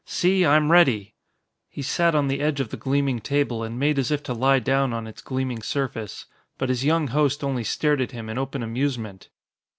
See, I am ready." He sat on the edge of the gleaming table and made as if to lie down on its gleaming surface. But his young host only stared at him in open amusement.